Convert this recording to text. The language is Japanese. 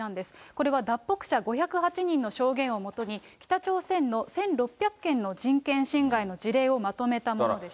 これは脱北者５０８人の証言を基に、北朝鮮の１６００件の人権侵害の事例をまとめたものでした。